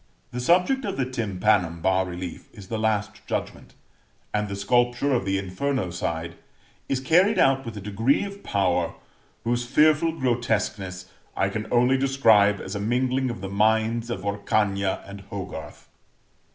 The subject of the tympanum bas relief is the Last Judgment, and the sculpture of the inferno side is carried out with a degree of power whose fearful grotesqueness I can only describe as a mingling of the minds of Orcagna and Hogarth.